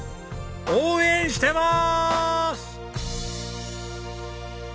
応援してます！